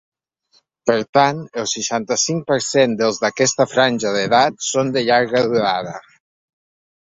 Per tant, el seixanta-cinc per cent dels d’aquesta franja d’edat són de llarga durada.